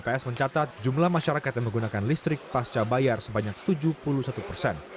bps mencatat jumlah masyarakat yang menggunakan listrik pasca bayar sebanyak tujuh puluh satu persen